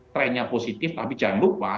trennya positif tapi jangan lupa